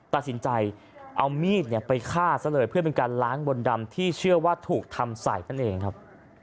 ตัดสินใจเอามีดไปฆ่าซะเลยเพื่อเป็นการล้างบนดำที่เชื่อว่าถูกทำใส่นั่นเองครับ